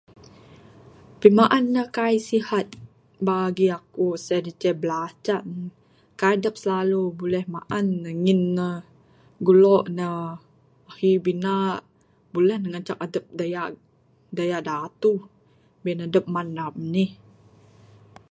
Pimaan da kaik sihat bagi aku sien ceh bilacan kaik dep slalu buleh maan ne ngin ne gulo ne ahi bina buleh ne ngancak adep dayak datuh bin adep manam nih.